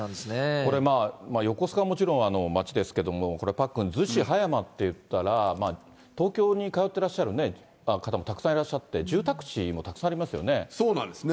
これ、横須賀はもちろん町ですけども、これ、パックン、逗子、葉山っていったら、東京に通ってらっしゃる方もたくさんいらっしゃって、そうなんですね。